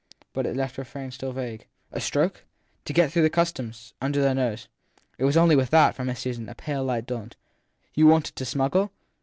But it left her friend still vague. A stroke ? To get through the Customs under their nose. It was only with this that, for Miss Susan, a pale light dawned. < You wanted to smuggle